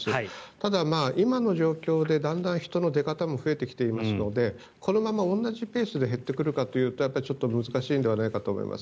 ただ、今の状況でだんだん人の出方も増えてきていますのでこのまま同じペースで減ってくるかというとちょっと難しいのではないかと思います。